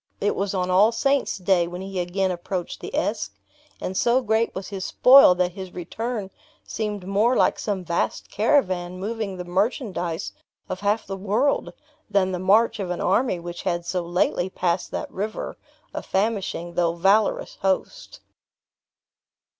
It was on All Saints Day when he again approached the Esk; and so great was his spoil that his return seemed more like some vast caravan moving the merchandise of half the world, than the march of an army which had so lately passed that river, a famishing, though valourous host.